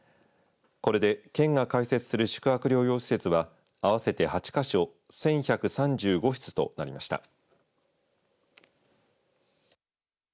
これで県が開設する宿泊療養施設は合わせて８か所１１３５室となりました。